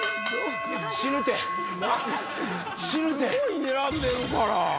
すごいにらんでるから。